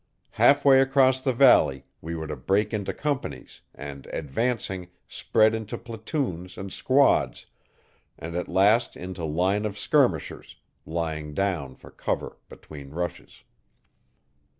Half way across the valley we were to break into companies and, advancing, spread into platoons and squads, and at last into line of skirmishers, lying down for cover between rushes.